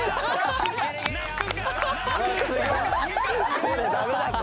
これダメだって！